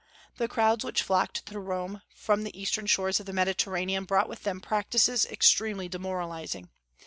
The crowds which flocked to Rome from the eastern shores of the Mediterranean brought with them practices extremely demoralizing.